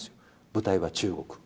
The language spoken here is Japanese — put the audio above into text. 舞台は中国。